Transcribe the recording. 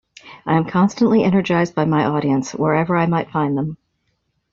I am constantly energized by my audience - wherever I might find them.